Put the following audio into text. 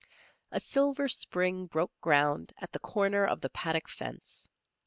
A silver spring broke ground at the corner of the paddock fence.